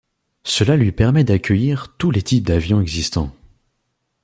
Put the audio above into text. Cela lui permet d’accueillir tous les types d'avions existants.